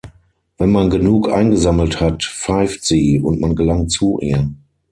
Wenn man genug eingesammelt hat pfeift sie, und man gelangt zu ihr.